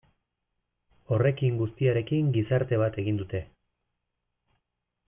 Horrekin guztiarekin gizarte bat egin dute.